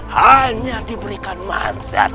hanya diberikan manfaat